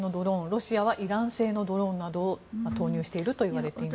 ロシアはイラン製のドローンなどを投入しているといわれています。